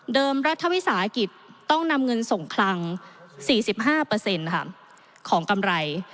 เดิมรัฐวิสาหกิจต้องนำเงินส่งคลังสี่สิบห้าเปอร์เซ็นต์ค่ะของกำไร